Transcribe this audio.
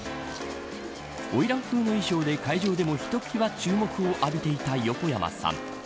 花魁風の衣装で会場でもひときわ注目を浴びていた横山さん